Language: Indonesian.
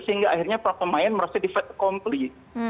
sehingga akhirnya para pemain merasa di fact complete